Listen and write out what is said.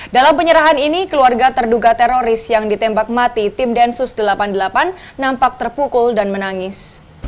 dalam penyerahan ini keluarga terduga teroris yang ditembak mati tim densus delapan puluh delapan nampak terpukul dan menangis